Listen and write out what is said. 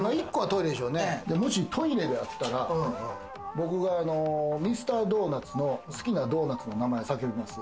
もしトイレだったら、僕がミスタードーナツの好きなドーナツの名前叫びます。